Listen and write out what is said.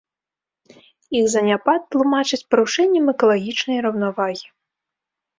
Іх заняпад тлумачаць парушэннем экалагічнай раўнавагі.